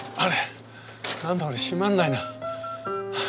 何だこれ閉まんないな。